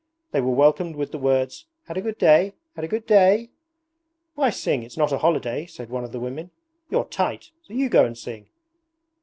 They were welcomed with the words, 'Had a good day? Had a good day?' 'Why sing? It's not a holiday,' said one of the women. 'You're tight, so you go and sing.'